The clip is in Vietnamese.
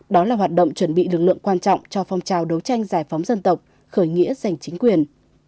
đó là hoạt động chuẩn bị lực lượng quan trọng cho phong trào đấu tranh giải phóng dân tộc khởi nghĩa giành chính quyền